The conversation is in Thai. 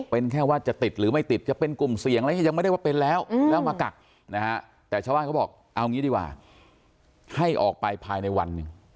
เป็นแค่ว่าจะติดหรือไม่ติดจะเป็นกลุ่มเสี่ยงอะไรอย่างนี้ยังไม่ได้ว่าเป็นแล้วแล้วมากักนะฮะแต่ชาวบ้านเขาบอกเอางี้ดีกว่าให้ออกไปภายในวันหนึ่ง